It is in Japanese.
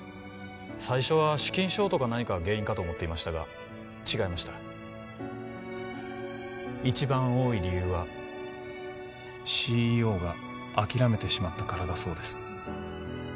最初は資金ショートか何かが原因かと思っていましたが違いました一番多い理由はＣＥＯが諦めてしまったからだそうです